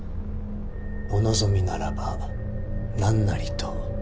お望みならば何なりと。